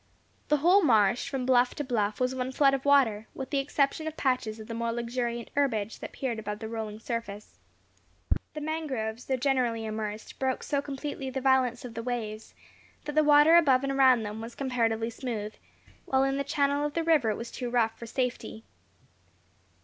The whole marsh, from bluff to bluff, was one flood of water, with the exception of patches of the more luxuriant herbage that peered above the rolling surface. The mangroves, though generally immersed, broke so completely the violence of the waves, that the water above and around them, was comparatively smooth, while in the channel of the river it was too rough for safety.